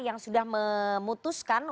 yang sudah memulai perusahaan ini